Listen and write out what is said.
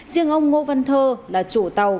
riêng ông ngô văn thơ là chủ tàu